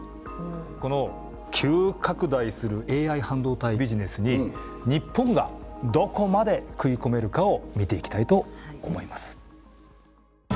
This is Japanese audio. この急拡大するＡＩ半導体ビジネスに日本がどこまで食い込めるかを見ていきたいと思います。